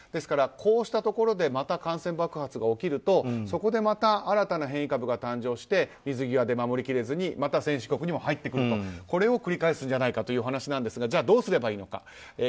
こうしたところでまた感染爆発が起きるとそこで新たな変異株が誕生して水際で守り切れずにまた先進国にも入ってくるこれを繰り返すんじゃないかというお話ですがじゃあ、どうすればいいのか。